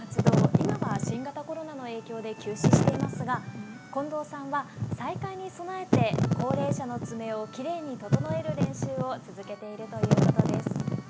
今は新型コロナの影響で休止していますが近藤さんは再開に備えて高齢者の爪をきれいに整える練習を続けているということです。